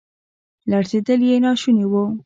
لړزیدل یې ناشوني وو.